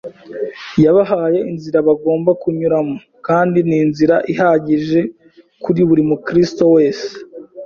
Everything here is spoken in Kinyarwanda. Yabahaye inzira bagomba kunyuramo, kandi ni inzira ihagije kuri buri Mukristo wese.